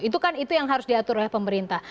itu kan itu yang harus diatur oleh pemerintah